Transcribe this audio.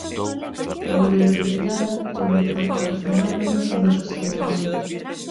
A vulnerabilidade é o impacto do fenómeno sobre a sociedade.